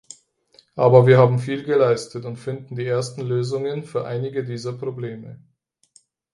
Aber wir haben viel geleistet und finden die ersten Lösungen für einige dieser Probleme.